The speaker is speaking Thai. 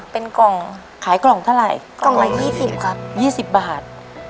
เป็นกล่องขายกล่องเท่าไรกล่องละยี่สิบครับยี่สิบบาท